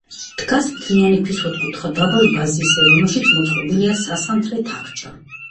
დგას მთლიანი ქვის ოთხკუთხა დაბალ ბაზისზე, რომელშიც მოწყობილია სასანთლე თახჩა.